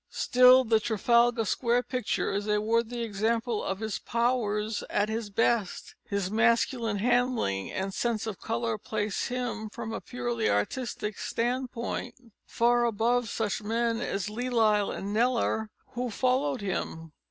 Still, the Trafalgar Square picture is a worthy example of his powers at his best. His masculine handling and sense of colour place him, from a purely artistic point of view, far above such men as Lely and Kneller, who followed him.